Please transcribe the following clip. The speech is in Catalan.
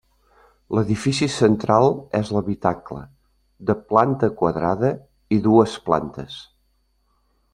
L'edifici central és l'habitacle, de planta quadrada i dues plantes.